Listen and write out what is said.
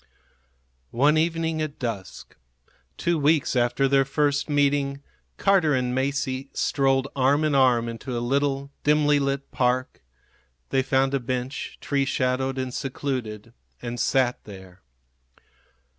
One evening at dusk, two weeks after their first meeting, Carter and Masie strolled arm in arm into a little, dimly lit park. They found a bench, tree shadowed and secluded, and sat there.